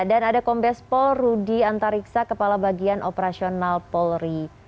dan ada kombes pol rudi antariksa kepala bagian operasional polri